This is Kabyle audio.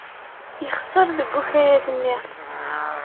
Yexṣer deg ukayad-nni.